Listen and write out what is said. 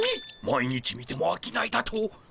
毎日見てもあきないだと！